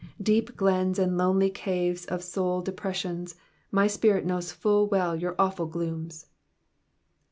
Deep glens and lonely caves of soul depressions, my spirit knows full well your awful glooms!